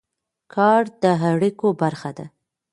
کار د اړیکو برخه ده.